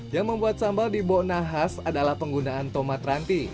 yang membuat sambal di bokna khas adalah penggunaan tomat ranti